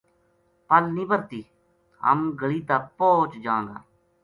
پل نیہہ برہتی ہم گلی تا پوہچ جاں گا